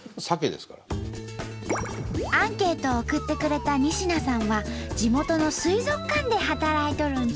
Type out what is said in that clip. アンケートを送ってくれた仁科さんは地元の水族館で働いとるんと！